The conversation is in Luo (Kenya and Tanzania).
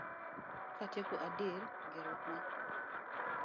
Katieko, adier gerruok ma